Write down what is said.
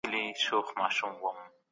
د اوبو او خوړو ذرات میکروبونه تغذیه کوي.